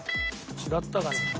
違ったかな。